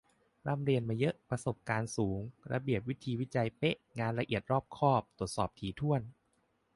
ร่ำเรียนมาเยอะ ประสบการณ์สูง ระเบียบวิธีวิจัยเป๊ะ งานละเอียด รอบคอบ ตรวจสอบถี่ถ้วน